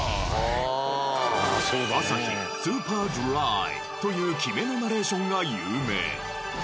アサヒスーパードライ。という決めのナレーションが有名。